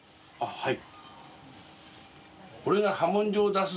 はい。